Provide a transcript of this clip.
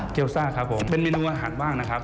เกี๊ยวซ่าครับผมเป็นเมนูอาหารว่างนะครับ